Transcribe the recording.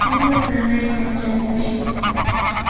Kiru nanaymi tsarimashqan.